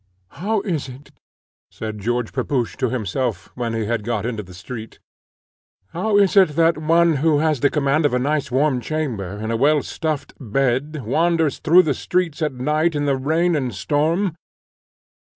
"How is it," said George Pepusch to himself, when he had got into the street, "how is it that one, who has the command of a nice warm chamber and a well stuffed bed, wanders through the streets at night in the rain and storm?